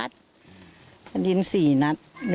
กระดิ่งเสียงเรียกว่าเด็กน้อยจุดประดิ่งเสียงเรียกว่าเด็กน้อยจุดประดิ่ง